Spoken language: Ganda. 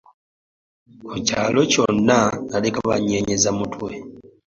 Ku kyalo kyonna naleka bannyeenyeza mutwe.